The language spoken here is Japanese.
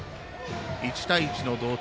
１対１の同点。